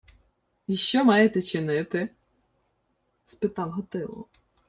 — Й що маєте чинити? — спитав Гатило.